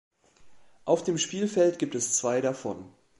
Auf dem Spielfeld gibt es zwei davon.